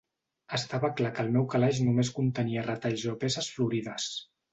Estava clar que el meu calaix només contenia retalls o peces florides.